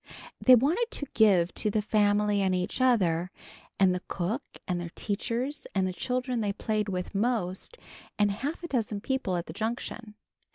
They wanted to give to the family and each other, and the cook and their teachers, and the children they played with most and half a dozen people at the Junction.